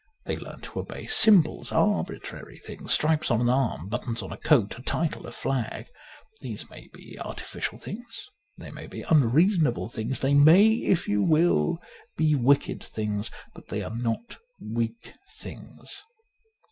They learn to obey symbols, arbitrary things, stripes on an arm, buttons on a coat, a title, a flag. These may be artificial things ; they may be unreasonable things ; they may, if you will, be wicked things ; but they are not weak things.